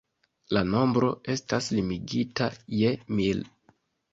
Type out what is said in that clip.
La nombro estas limigita je mil.